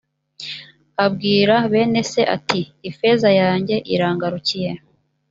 abwira bene se ati ifeza yanjye irangarukiye .